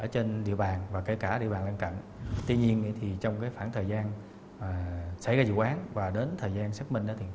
tuy nhiên trong khoảng thời gian xảy ra vụ án và đến thời gian xác minh